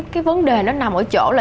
cái vấn đề nó nằm ở chỗ là